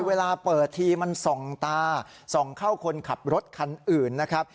เวลาเปิดทีมันส่องตาส่องเข้าคนขับรถคันอื่นนะครับ